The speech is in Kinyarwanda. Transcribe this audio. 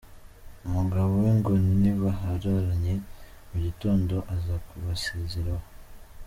Umugabo we ngo ntibahararanye, mu gitondo aza kubasezeraho.